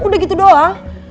udah gitu doang